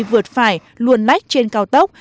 vượt phải luồn lách trên cao tốc